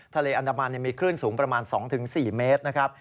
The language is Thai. ทะเลอันดามันมีคลื่นสูงประมาณ๒๔เมตรนะครับ